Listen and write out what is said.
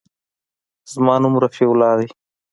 زما نوم رفيع الله دى.